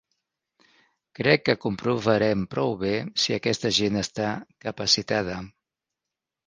Crec que comprovarem prou bé si aquesta gent està capacitada.